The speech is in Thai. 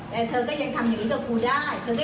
แล้วคุณจะขอคืนด้วย